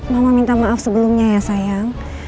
mama minta maaf sebelumnya ya sayang